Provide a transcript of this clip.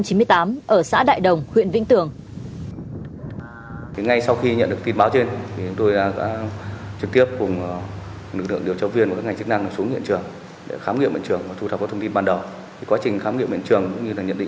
chú xã đại đồng huyện vĩnh phúc đã tiếp nhận đơn trình báo của ông mùi văn quảng sinh năm một nghìn chín trăm bảy mươi